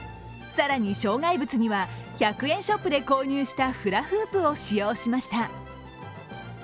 更に障害物には１００円ショップで購入したフラフープを使用しました。